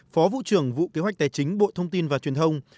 phó vụ trưởng vụ kế hoạch tài chính bộ thông tin và truyền thông